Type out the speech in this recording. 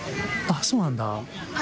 そうなんだ。